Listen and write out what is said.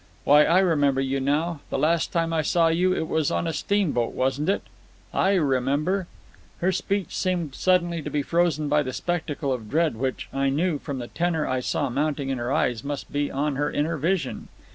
"Why, I remember you now. The last time I saw you it was on a steamboat, wasn't it? I remember ..." Her speech seemed suddenly to be frozen by the spectacle of dread which, I knew, from the tenor I saw mounting in her eyes, must be on her inner vision.